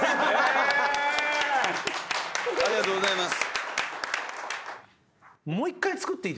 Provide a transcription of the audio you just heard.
ありがとうございます。